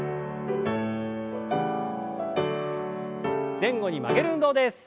前後に曲げる運動です。